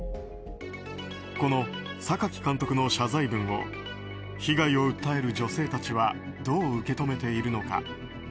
この榊監督の謝罪文を被害を訴える女性たちはどう受け止めているのか。